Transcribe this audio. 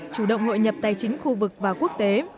chủ động hội nhập tài chính khu vực và quốc tế